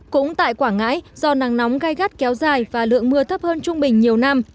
cũng tại quảng ngãi do nắng nóng gai gắt kéo dài và lượng mưa thấp hơn trung bình nhiều năm